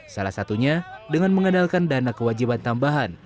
salah satunya dengan mengandalkan dana kewajiban tambahan